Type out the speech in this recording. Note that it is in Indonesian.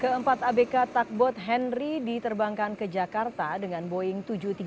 keempat abk takbot henry diterbangkan ke jakarta dengan boeing tujuh ratus tiga puluh